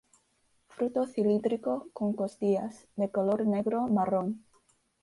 Fruto cilíndrico con costillas, de color negro marrón.